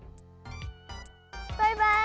バイバイ！